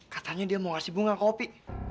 katanya dia mau kasih bunga ke hopi